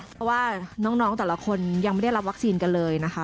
เพราะว่าน้องแต่ละคนยังไม่ได้รับวัคซีนกันเลยนะคะ